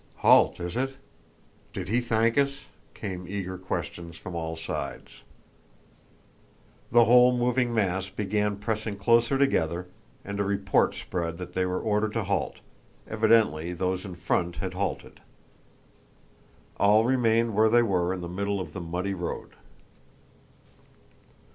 Halt, is it? Did he thank us?" came eager questions from all sides. The whole moving mass began pressing closer together and a report spread that they were ordered to halt: evidently those in front had halted. All remained where they were in the middle of the muddy road.